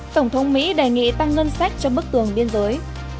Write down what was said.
tổng thống mỹ đề nghị tăng ngân sách cho bức tường biên giới